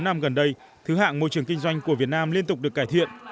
bốn năm gần đây thứ hạng môi trường kinh doanh của việt nam liên tục được cải thiện